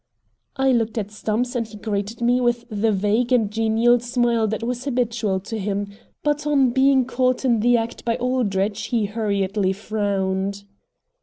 I looked at Stumps and he greeted me with the vague and genial smile that was habitual to him, but on being caught in the act by Aldrich he hurriedly frowned.